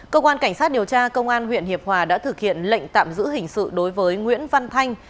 cơ quan cảnh sát điều tra công an huyện hiệp hòa đã thực hiện lệnh tạm giữ hình sự đối với nguyễn văn thanh